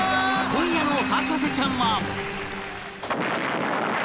今夜の『博士ちゃん』は